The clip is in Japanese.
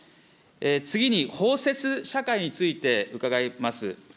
次に包摂社会について伺います。